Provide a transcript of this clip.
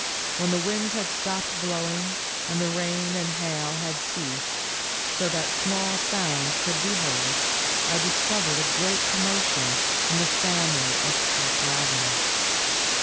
When the winds had stopped blowing, and the rain and hail had ceased, so that small sounds could be heard, I discovered a great commotion in the family of Cock robin.